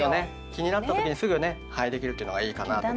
気になった時にすぐねできるっていうのがいいかなと思います。